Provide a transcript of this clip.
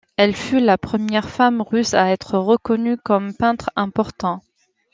Elle fut la première femme russe à être reconnue comme peintre important.